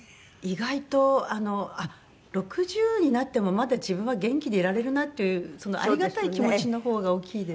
意外とあのあっ６０になってもまだ自分は元気でいられるなっていうそのありがたい気持ちの方が大きいです。